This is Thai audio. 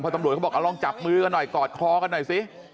ตำรวจเขาบอกเอาลองจับมือกันหน่อยกอดคอกันหน่อยสิ